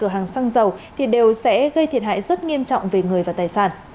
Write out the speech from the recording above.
hàng xăng dầu thì đều sẽ gây thiệt hại rất nghiêm trọng về người và tài sản